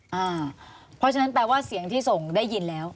เพราะฉะนั้นหมายความรู้สึกว่าเสียงที่ส่งได้ยินแล้ว